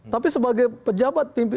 tapi sebagai pejabat